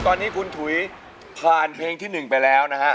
ตอนนี้คุณถุยผ่านเพลงที่๑ไปแล้วนะฮะ